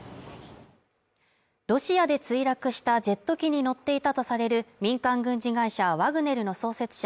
ロシアで墜落したジェット機に乗っていたとされる民間軍事会社ワグネルの創設者